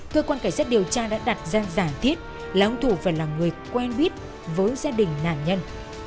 cơ quan cảnh sát điều tra đã đặt ra giả thiết là ông thủ phải là người quen biết với gia đình nạn nhân